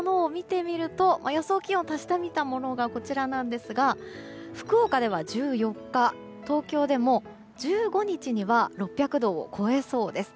気温を足してみたものがこちらですが福岡では１４日東京でも１５日には６００度を超えそうです。